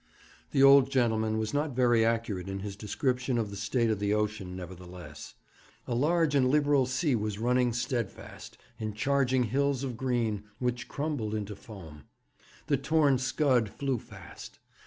The old gentleman was not very accurate in his description of the state of the ocean, nevertheless. A large and liberal sea was running steadfast, in charging hills of green, which crumbled into foam. The torn scud flew fast.